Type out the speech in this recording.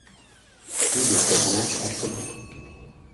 Rue de Fleuranges à Sedan